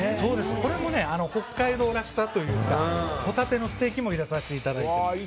これも北海道らしさというかホタテのステーキも入れさせていただいています。